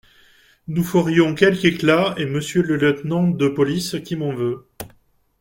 Nous ferions quelque éclat, et Monsieur le lieutenant de police qui m’en veut…